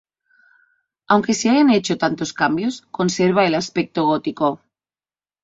Aunque se hayan hecho tantos cambios, conserva el aspecto gótico.